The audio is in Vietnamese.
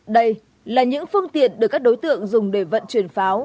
đây là những phương tiện được các đối tượng dùng để vận chuyển pháo